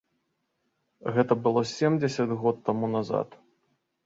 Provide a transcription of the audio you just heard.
Гэта было семдзесят год таму назад.